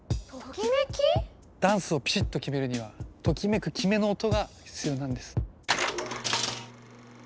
ダンスをピシッと決めるにはときめく「キメ」の音が必要なんです。